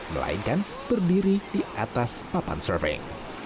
melainkan berdiri di atas papan surfing